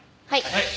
はい。